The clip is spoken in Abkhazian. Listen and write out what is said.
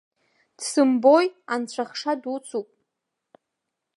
Дсымбои, анцәахша дуцуп.